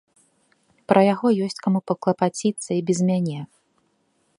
Пра яго ёсць каму паклапаціцца і без мяне.